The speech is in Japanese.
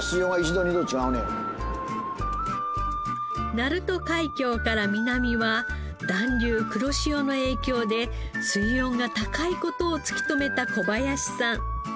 鳴門海峡から南は暖流黒潮の影響で水温が高い事を突き止めた小林さん。